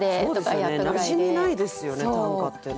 なじみないですよね短歌ってね。